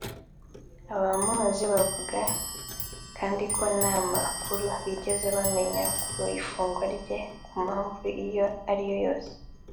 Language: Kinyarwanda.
Abamuzi bavuga kandi ko nta makuru bigeze bamenya ku ifungwa rye ku mpamvu iyo ariyo yose